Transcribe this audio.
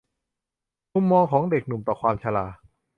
มุมมองของเด็กหนุ่มต่อความชรา